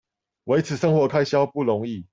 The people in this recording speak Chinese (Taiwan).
維持生活開銷不容易